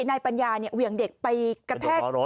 ในปัญญาเนี่ยเหวี่ยงเด็กไปกระแทก